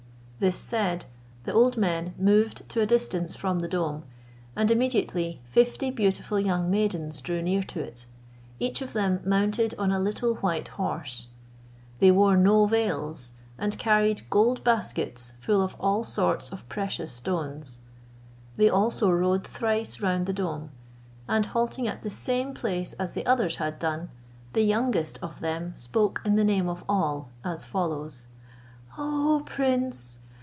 This said, the old men moved to a distance from the dome, and immediately fifty beautiful young maidens drew near to it; each of them mounted on a little white horse; they wore no veils, and carried gold baskets full of all sorts of precious stones. They also rode thrice round the dome, and halting at the same place as the others had done, the youngest of them spoke in the name of all, as follows: "O prince!